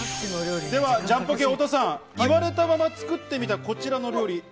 ジャンポケ・太田さん、言われたまま作ってみた、こちらの料理。